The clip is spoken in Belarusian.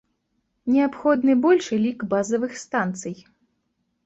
Неабходны большы лік базавых станцыяй.